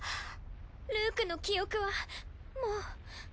ルークの記憶はもう。